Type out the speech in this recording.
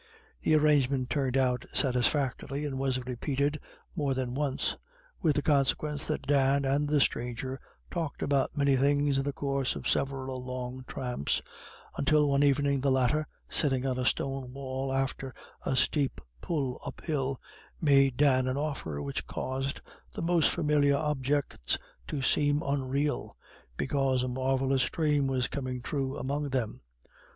The arrangement turned out satisfactorily, and was repeated more than once, with the consequence that Dan and the stranger talked about many things in the course of several long tramps, until one evening the latter, sitting on a stone wall after a steep pull uphill, made Dan an offer which caused the most familiar objects to seem unreal, because a marvellous dream was coming true among them.